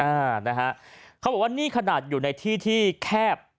อ่านะฮะเขาบอกว่านี่ขนาดอยู่ในที่ที่แคบ